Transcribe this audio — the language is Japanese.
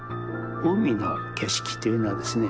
海の景色というのはですね